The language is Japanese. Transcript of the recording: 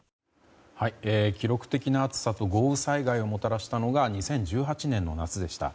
記録的な暑さと豪雨災害をもたらしたのが２０１８年の夏でした。